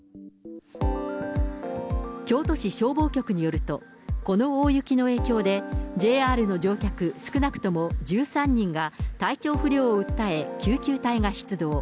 京都市消防局によると、この大雪の影響で、ＪＲの乗客少なくとも１３人が体調不良を訴え、救急隊が出動。